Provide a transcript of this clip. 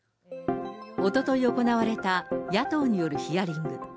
おととい行われた、野党によるヒアリング。